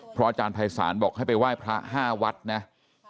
เพราะอาจารย์ไพรศาลบอกให้ไปไหว้พระ๕วัตต์นะฮะ